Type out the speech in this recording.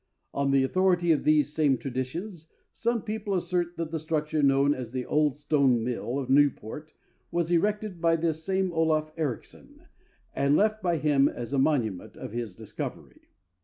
On the authority of these same traditions, some people assert that the structure known as the "old stone mill of Newport" was erected by this same Olaf Ericsson, and left by him as a monument of his discovery.